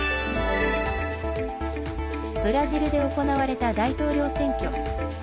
ブラジルで行われた大領領選挙。